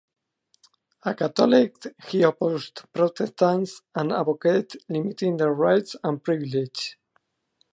A Catholic, he opposed Protestants and advocated limiting their rights and privileges.